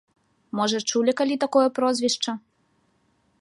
Можа, чулі калі такое прозвішча?